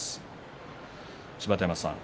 芝田山さん